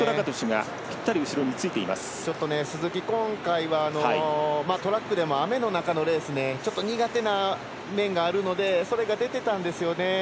今回鈴木はトラックでも雨の中のレースちょっと苦手な面があるのでそれが出てたんですよね。